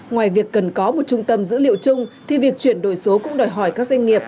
ngoài việc cần có một trung tâm dữ liệu chung thì việc chuyển đổi số cũng đòi hỏi các doanh nghiệp